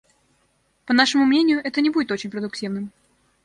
По нашему мнению, это не будет очень продуктивным.